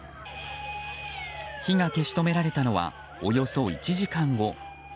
火が消し止められたのはおよそ１時間後。